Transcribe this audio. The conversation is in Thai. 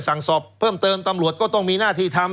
สั่งสอบเพิ่มเติมตำรวจก็ต้องมีหน้าที่ทำ